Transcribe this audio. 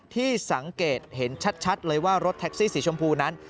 ที่สังเกตเห็นชัดเลยว่ารถแท็กซี่สีชมพูนั้น